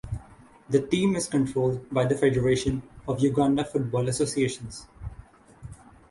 The team is controlled by the Federation of Uganda Football Associations.